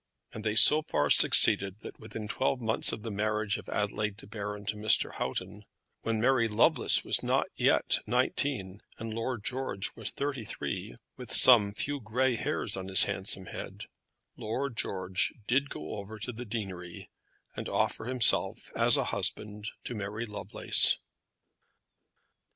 And they so far succeeded that within twelve months of the marriage of Adelaide De Baron to Mr. Houghton, when Mary Lovelace was not yet nineteen and Lord George was thirty three, with some few grey hairs on his handsome head, Lord George did go over to the deanery and offer himself as a husband to Mary Lovelace.